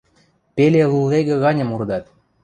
пеле лулегӹ ганьым урдат.